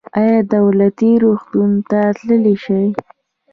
ایا دولتي روغتون ته تللی شئ؟